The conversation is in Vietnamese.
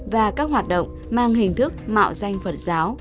và các hoạt động mang hình thức mạo danh phật giáo